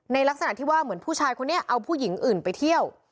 ลักษณะที่ว่าเหมือนผู้ชายคนนี้เอาผู้หญิงอื่นไปเที่ยว